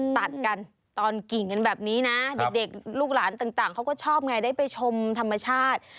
ตัดกันตอนกิ่งกันแบบนี้นะเด็กลูกหลานต่างเขาก็ชอบไงได้ไปชมธรรมชาติ